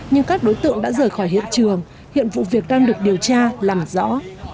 nhưng các đối tượng đã rời khỏi hiện trường hiện vụ việc đang được điều tra làm rõ